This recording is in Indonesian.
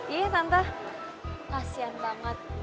iya tante kasian banget